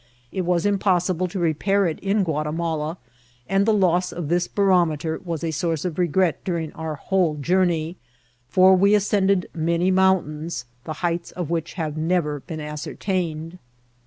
It was impossi ble to repair it in Guatimala, and the loss of this ba rometer was a source of regret during our whole jour ney ; for we ascended many mountains, the heights of which have never been ascertained.